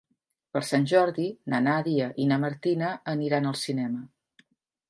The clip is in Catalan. Per Sant Jordi na Nàdia i na Martina aniran al cinema.